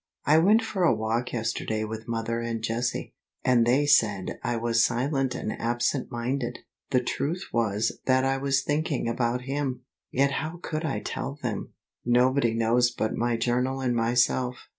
I went for a walk yesterday with mother and Jessie, and they said I was silent and absent minded. The truth was that I was thinking about him, yet how could I tell them? Nobody knows but my journal and myself.